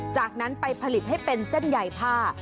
จากนั้นไปผลิตให้เป็นเส้นใหญ่ผ้า